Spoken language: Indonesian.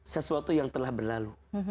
sesuatu yang telah berlalu